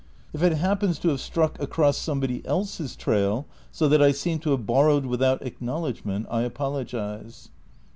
If it happens to have struck across somebody else's trail, so that I seem to have borrowed without acknowledgment, I apologise.